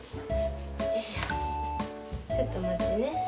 よいしょちょっとまってね。